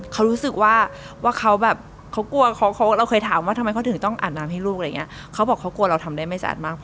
เขารู้สึกว่าว่าเขาแบบเขากลัวเขาเขาเราเคยถามว่าทำไมเขาถึงต้องอาบน้ำให้ลูกอะไรอย่างเงี้ยเขาบอกเขากลัวเราทำได้ไม่สะอาดมากพอ